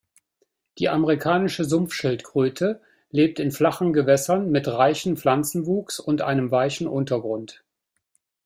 Die Amerikanische Sumpfschildkröte lebt in flachen Gewässern mit reichem Pflanzenwuchs und einem weichen Untergrund.